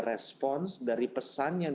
response dari pesan yang